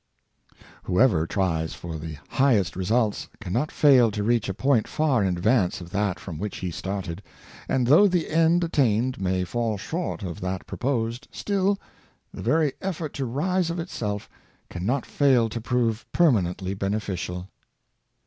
Whoever tries for the highest results can not fail to reach a point far in advance of that from which he started; and though the end attained may fall short of that proposed, still, the very effort to rise of itself can not fail to prove permanently benefi cial.